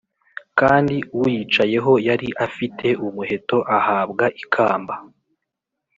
,kandi uyicayeho yari afite umuheto ahabwa ikamba,